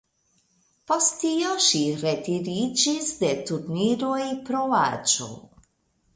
Post tio ŝi retiriĝis de turniroj pro aĝo.